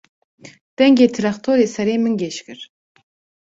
Dengê trextorê serê min gêj kir.